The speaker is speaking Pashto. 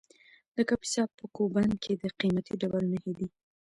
د کاپیسا په کوه بند کې د قیمتي ډبرو نښې دي.